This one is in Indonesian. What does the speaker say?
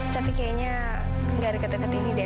tapi kayaknya gak ada ketekan ini deh